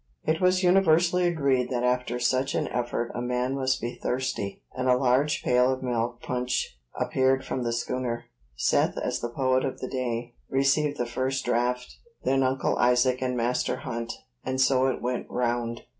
It was universally agreed that after such an effort a man must be thirsty; and a large pail of milk punch appeared from the schooner. Seth, as the poet of the day, received the first draught; then Uncle Isaac and Master Hunt, and so it went round.